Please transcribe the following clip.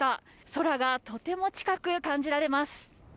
空がとても近く感じられます。